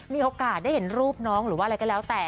มีโอกาสได้เห็นรูปน้องหรือว่าอะไรก็แล้วแต่